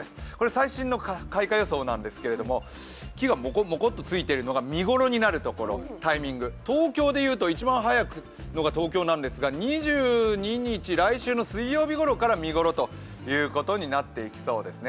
最新の開花予想ですが木がもこもこっとついているところが見頃になるところタイミング、東京で言うと一番早いのが東京なんですが２２日、来週の水曜日ごろから見頃になってきそうですね。